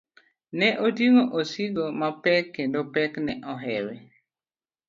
Ne oting'o osigo mapek kendo pek ne ohewe.